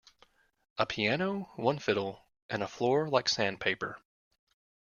A piano, one fiddle, and a floor like sandpaper.